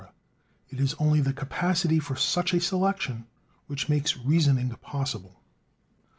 It is only the capacity for such a selection which makes reasoning possible.